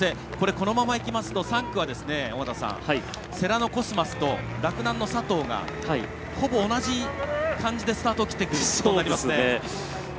このままいきますと３区は世羅のコスマスと洛南の佐藤がほぼ同じ感じでスタートを切っていくことになりますよね。